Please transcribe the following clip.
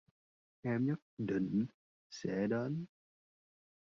Em nhất định sẽ đến